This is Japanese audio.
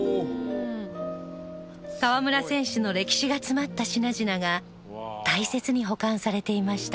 河村選手の歴史が詰まった品々が大切に保管されていました。